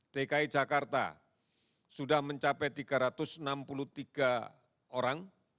dki jakarta sudah mencapai tiga ratus enam puluh tiga orang